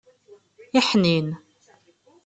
Iḥnin.